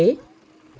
để nuôi run quế